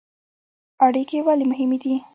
اړیکې ولې مهمې دي؟